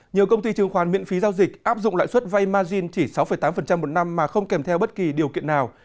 nhiều công ty chứng khoán miễn phí giao dịch áp dụng lãi suất vay margin chỉ sáu tám một năm mà không kèm theo bất kỳ điều kiện nào